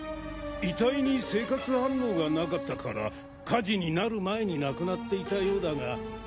遺体に生活反応がなかったから火事になる前に亡くなっていたようだが。